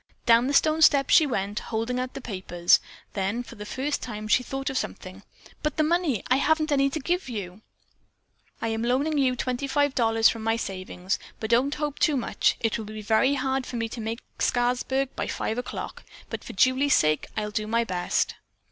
Down the stone steps she went, holding out the papers. Then and for the first time she thought of something: "But the money I haven't any to give you." Meg's answer was: "I am loaning you twenty five dollars from my savings, but don't hope too much. It will be very hard for me to make Scarsburg by five o'clock, but for Julie's sake I'll do my best."